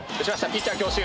ピッチャー強襲。